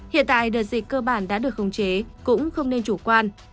hiện tại đợt dịch cơ bản đã được khống chế cũng không nên chủ quan